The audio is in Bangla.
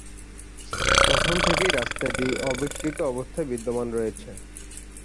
তখন থেকেই রাস্তাটি অবিকৃত অবস্থায় বিদ্যমান রয়েছে।